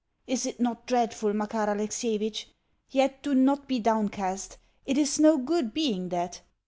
Is it not dreadful, Makar Alexievitch? Yet do not be downcast it is no good being that.